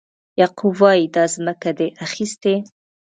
یعقوب وایي دا ځمکه ده اخیستې.